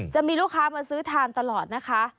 จะมีลูกค้ามาซื้อทานตลอดนะคะ